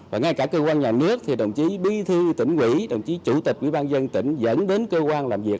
và ngay cả cơ quan nhà nước thì đồng chí bí thư tỉnh quỹ đồng chí chủ tịch ubnd tỉnh dẫn đến cơ quan làm việc